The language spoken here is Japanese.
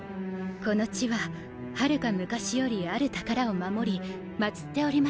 この地ははるか昔よりある宝を守り祀っておりました。